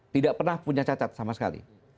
tidak pernah punya cacat sama sekali